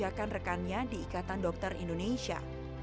diakan rekannya di ikatan dokter indonesia